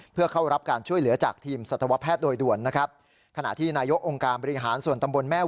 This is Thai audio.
เพื่อเข้ารับการช่วยเหลือจากทีมสัตวแพทย์โดยด่วนนะครับ